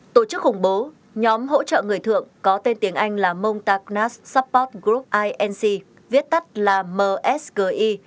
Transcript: tổ chức khủng bố nhóm hỗ trợ người thượng có tên tiếng anh là montagnas support group inc viết tắt là msgi